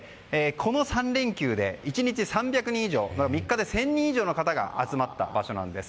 この３連休で、１日３００人以上３日で１０００人以上の方が集まった場所なんです。